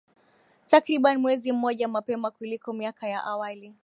takriban mwezi mmoja mapema kuliko miaka ya awali